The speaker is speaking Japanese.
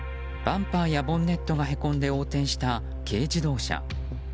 バンパーやボンネットがへこんで横転した軽自動車。